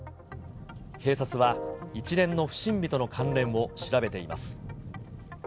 警察は一連の不審火との関連を調べています。